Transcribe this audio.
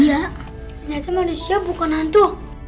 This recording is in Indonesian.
ternyata manusia bukan hantu